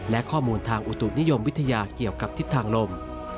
และข้อมูลทางอุตุนิยมวิทยาเกี่ยวกับทิศทางลม